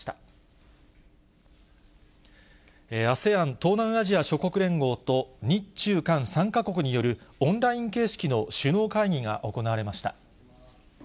ＡＳＥＡＮ・東南アジア諸国連合と日中韓３か国によるオンライン形式の首脳会議が行われました。